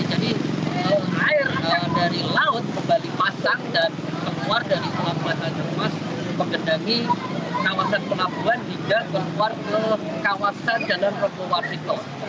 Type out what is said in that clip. jadi air dari laut kembali masak dan keluar dari kelabu kelabu mas mengendangi kawasan pelabuhan hingga keluar ke kawasan jalan provokasional